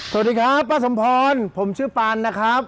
สวัสดีครับป้าสมพรผมชื่อปานนะครับ